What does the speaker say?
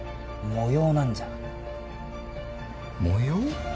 模様？